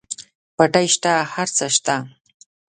پټی شته هر څه شته.